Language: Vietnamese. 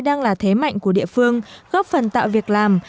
đang là thế mạnh của địa phương góp phần tạo việc làm